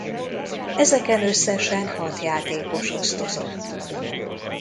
Ezeken összesen hat játékos osztozott.